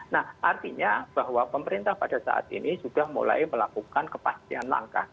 nah artinya bahwa pemerintah pada saat ini sudah mulai melakukan kepastian langkah